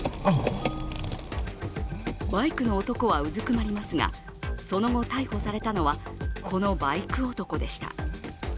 バイクの男はうずくまりますが、その後逮捕されたのはこのバイク男でした。